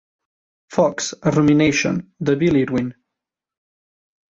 "Fox: a Rumination", de Bill Irwin.